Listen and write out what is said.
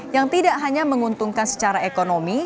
yang tidak hanya menguntungkan secara ekonomi